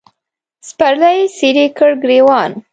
سپرلي څیرې کړ ګرېوان